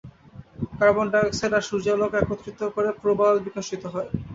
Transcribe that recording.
Carbon dioxide আর সূর্যালোক একত্রিত করে প্রবাল বিকশিত হয়।